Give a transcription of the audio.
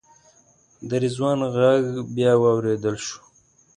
د رضوان غږ بیا واورېدل شو.